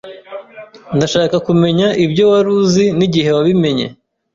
Ndashaka kumenya ibyo wari uzi n'igihe wabimenye.